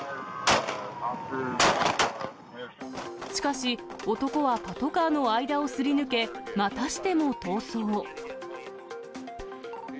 しかし、男はパトカーの間をすり抜け、またしても逃走。